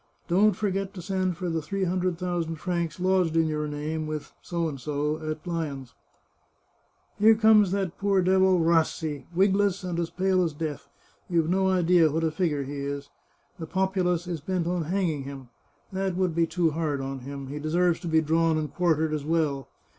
Don't forget to send for the three hundred thousand francs lodged in your name with D at Lyons. " Here comes that poor devil Rassi, wigless and as pale as death ; you've no idea what a figure he is. The populace is bent on hanging him. That would be too hard on him ; he deserves to be drawn and quartered as well